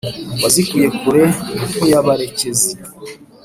wazikuye kure nkuyabarekezi,